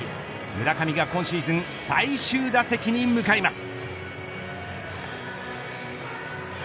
村上が、今シーズン最終打席に向かいます。